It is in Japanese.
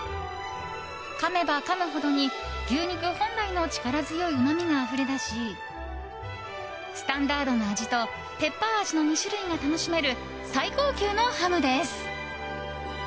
かめばかむほどに、牛肉本来の力強いうまみがあふれ出しスタンダードな味とペッパー味の２種類が楽しめる最高級のハムです。